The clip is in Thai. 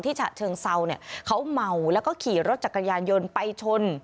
ฉะเชิงเซาเนี่ยเขาเมาแล้วก็ขี่รถจักรยานยนต์ไปชน